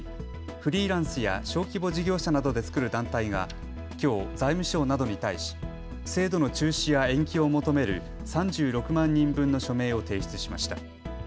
フリーランスや小規模事業者などで作る団体がきょう財務省などに対し、制度の中止や延期を求める３６万人分の署名を提出しました。